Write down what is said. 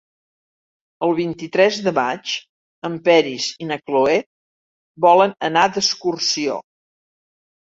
El vint-i-tres de maig en Peris i na Cloè volen anar d'excursió.